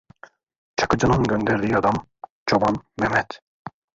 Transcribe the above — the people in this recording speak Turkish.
Çakıcının gönderdiği adam, Çoban Mehmet…